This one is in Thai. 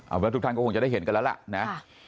เอาไปก็ทุกท่านก็ได้เห็นก็แล้วล๊ะ